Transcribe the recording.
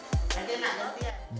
aja anak dua tiga